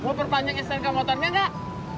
mau perpanjang ssk motornya gak